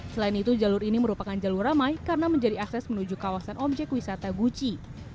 selain itu jalur ini merupakan jalur ramai karena menjadi akses menuju kawasan objek wisata gucci